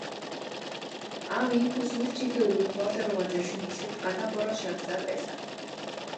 Аав ийнхүү сүүлчийнхээ үгийг хоолой руугаа залгин хэлэхэд гадаа бороо шаагьсаар байлаа.